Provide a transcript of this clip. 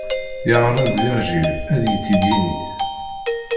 Yeɛreḍ Virgile ad yi-t-id-yini.